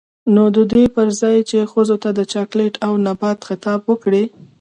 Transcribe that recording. نـو د دې پـر ځـاى چـې ښـځـو تـه د چـاکـليـت او نـبـات خـطاب وکـړي.